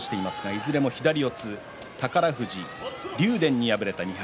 いずれも左四つ宝富士と竜電に敗れました。